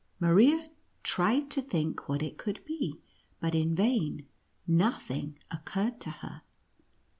Maria tried to think what it could be, but in vain ; nothing occurred to her.